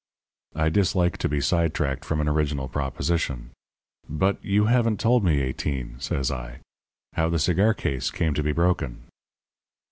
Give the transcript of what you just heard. I dislike to be side tracked from an original proposition. "But you haven't told me, Eighteen," said I, "how the cigar case came to be broken."